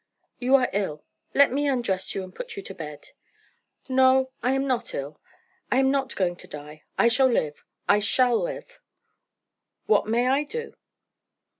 "You are ill. Let me undress you, and put you to bed." "No, I am not ill. I am not going to die! I shall live I shall live!" "What may I do?"